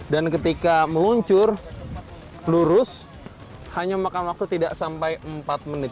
dan ketika meluncur lurus hanya memakan waktu tidak sampai empat menit